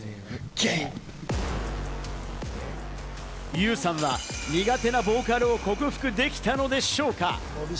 ユウさんは、苦手なボーカルを克服できたのでしょうか？